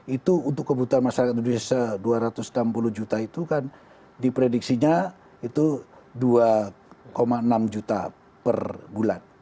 itu untuk kebutuhan masyarakat indonesia dua ratus enam puluh juta itu kan diprediksinya itu dua enam juta per bulan